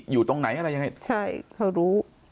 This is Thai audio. อยู่ตรงไหนอะไรยังไงใช่เขารู้